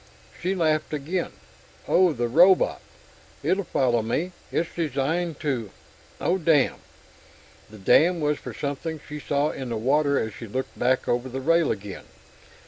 She laughed again. "Oh, the robot? It'll follow me. It's designed to.... Oh damn!" The damn was for something she saw in the water as she looked back over the rail again.